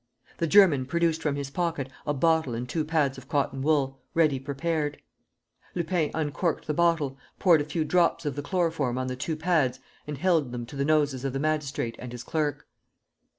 The German produced from his pocket a bottle and two pads of cotton wool, ready prepared. Lupin uncorked the bottle, poured a few drops of the chloroform on the two pads and held them to the noses of the magistrate and his clerk.